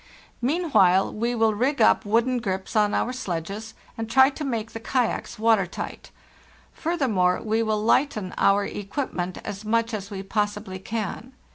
Meanwhile we will rig up wooden grips on our sledges, and try to make the kayaks water tight. Furthermore, we will lighten our equipment as much as we possibly can.